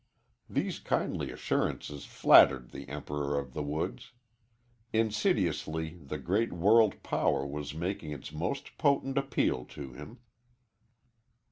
These kindly assurances flattered the "Emperor of the Woods." Insidiously the great world power was making its most potent appeal to him.